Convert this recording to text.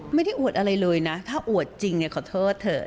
ไม่ได้อวดอะไรเลยนะถ้าอวดจริงขอโทษเถอะ